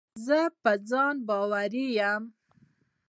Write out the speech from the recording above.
زه په ځان باوري یم.